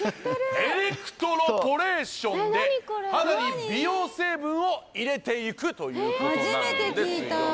エレクトロポレーションで肌に美容成分を入れていくということなんですよね